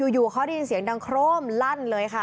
อยู่เขาได้ยินเสียงดังโครมลั่นเลยค่ะ